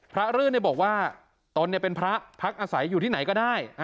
พระรื่นเนี่ยบอกว่าตนนี่เป็นพระพักอาศัยอยู่ที่ไหนก็ได้